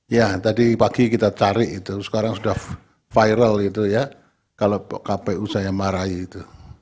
ya tadi pagi kita tarik itu sekarang sudah viral itu ya kalau kpu saya marahi itu